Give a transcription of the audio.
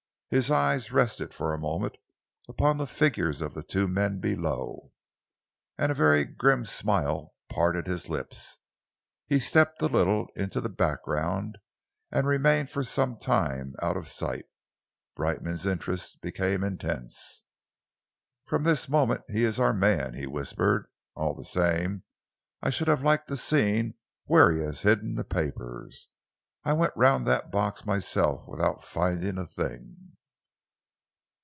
His eyes rested for a moment upon the figures of the two men below, and a very grim smile parted his lips. He stepped a little into the background and remained for some time out of sight. Brightman's interest became intense. "From this moment he is our man," he whispered. "All the same, I should have liked to have seen where he has hidden the papers. I went round the box myself without finding a thing."